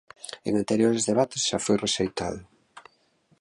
En anteriores debates xa foi rexeitado.